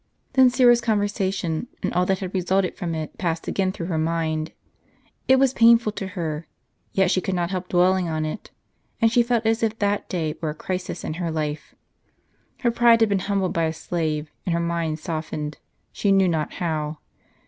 Then Syra's conversation, and all that had resulted from it, passed again through her mind ; it was painful to her, yet she could not help dwelling on it ; and she felt as if that day were a crisis in her life. Her pride had been humbled by a slave, and her mind softened, she knew not how.